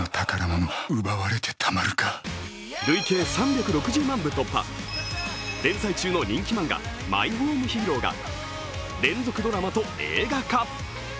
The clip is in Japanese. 累計３６０万部突破連載中の人気漫画「マイホームヒーロー」が連続ドラマと映画化。